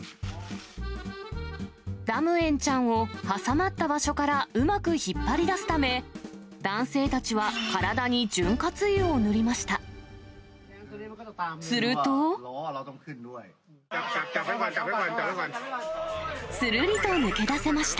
ダムエンちゃんを挟まった場所からうまく引っ張り出すため、男性たちは体に潤滑油を塗りました。